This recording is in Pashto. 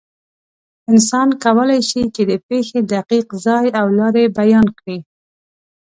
انسان کولی شي، چې د پېښې دقیق ځای او لارې بیان کړي.